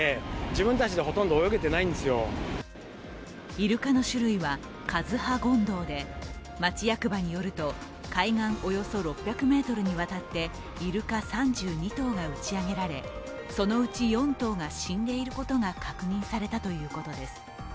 イルカの種類はカズハゴンドウで町役場によると、海岸およそ６００ｍにわたってイルカ３２頭が打ち上げられ、そのうち４頭が死んでいることが確認されたということです。